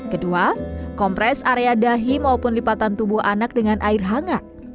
kedua kompres area dahi maupun lipatan tubuh anak dengan air hangat